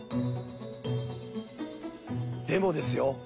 でもですよ